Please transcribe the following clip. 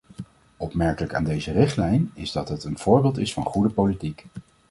Opmerkelijk aan deze richtlijn is dat het een voorbeeld is van goede politiek.